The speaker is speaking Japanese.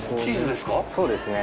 そうですね。